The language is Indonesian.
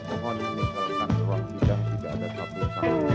mohon menyalurkan ruang sidang tidak ada satu orang